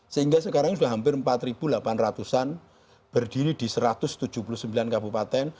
sehingga sekarang sudah hampir empat delapan ratus an berdiri di satu ratus tujuh puluh sembilan kabupaten